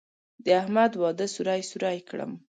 د احمد واده سوري سوري کړم.